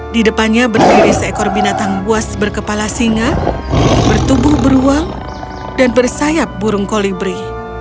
di depannya berdiri seekor binatang buas berkepala singa bertubuh beruang dan bersayap burung kolibri